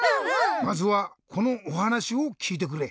まずはこのおはなしをきいてくれ。